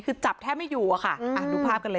ผู้หญิงเสื้อดำนี่คือแฟนของผู้บ่อเหตุ